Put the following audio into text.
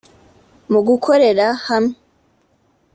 Mu gukorera hamwe